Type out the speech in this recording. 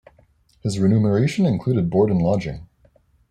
His remuneration included board and lodging.